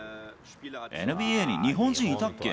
ＮＢＡに日本人いたっけ？